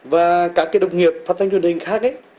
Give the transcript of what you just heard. và các cái đồng nghiệp phát thanh truyền hình khác ấy